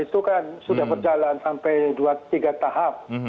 itu kan sudah berjalan sampai dua tiga tahap